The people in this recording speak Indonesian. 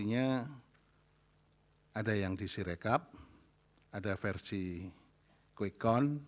artinya ada yang di sirecap ada versi kwekon